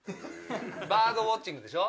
バードウオッチングでしょ？